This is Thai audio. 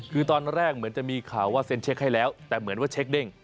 คือตอนแรกเหมือนจะมีข่าวว่าเซ็นเช็คให้แล้วแต่เหมือนว่าเช็คเด้ง